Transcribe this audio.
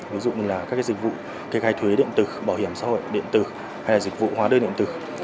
ví dụ như là các dịch vụ kê khai thuế điện tử bảo hiểm xã hội điện tử hay là dịch vụ hóa đơn điện tử